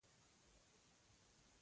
که دا بنسټ له پاملرنې بې برخې کېږي.